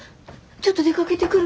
ちょっと出かけてくる。